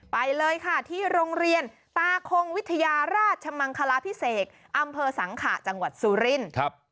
ไปเลยค่ะที่โรงเรียนตาคงวิทยาราชมังคลาพิเศษอำเภอสังขะจังหวัดสุรินทร์